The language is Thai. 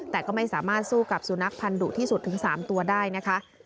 แต่ก็ไม่สามารถสู้กับสุนัขพันธุที่สุดถึง๓ตัวได้นะคะ